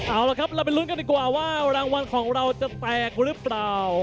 เอาละครับเราไปลุ้นกันดีกว่าว่ารางวัลของเราจะแตกหรือเปล่า